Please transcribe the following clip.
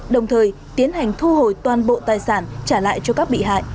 đồng thời tiến hành thu hồi toàn bộ tài sản trả lại cho các bị hại